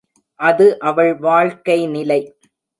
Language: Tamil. அது அவள் வாழ்க்கை நிலை.